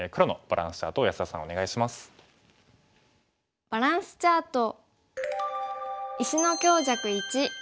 バランスチャート。